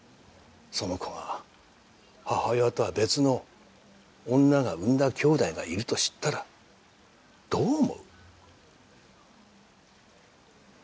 その子が母親とは別の女が産んだ兄弟がいると知ったらどう思う？